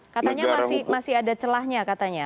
katanya masih ada celahnya katanya